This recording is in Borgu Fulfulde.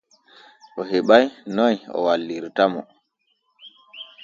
O heɓa'i noy o wallirta mo.